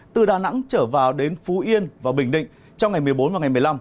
từ đà nẵng trở vào đến phú yên và bình định trong ngày một mươi bốn và ngày một mươi năm